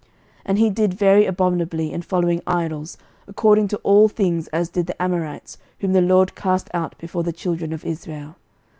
11:021:026 And he did very abominably in following idols, according to all things as did the Amorites, whom the LORD cast out before the children of Israel.